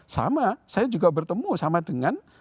sama saya juga bertemu sama dengan